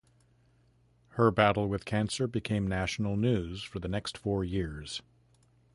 Her battle with cancer became national news for the next four years.